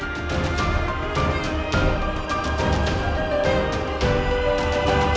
kamu juga sudah mencari kebenaran diri